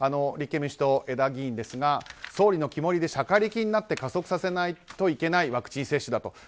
立憲民主党、江田議員ですが総理の肝煎りでシャカリキになって加速させないといけないワクチン接種だと。